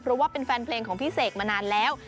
เพราะว่าเป็นแฟนเพลงของพี่เสกมานานแล้ว